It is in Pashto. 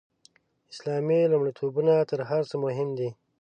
اسلامي لومړیتوبونه تر هر څه مهم دي.